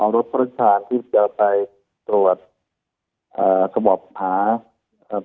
เอารถประการที่จะไปตรวจสบบพา